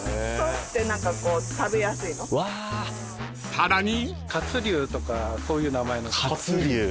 ［さらに］